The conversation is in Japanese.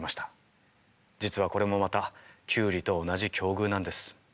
実はこれもまたキュウリと同じ境遇なんです。